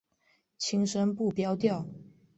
轻声不标调。